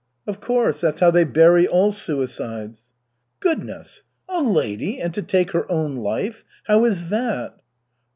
"Of course, that's how they bury all suicides." "Goodness! A lady and to take her own life! How is that?"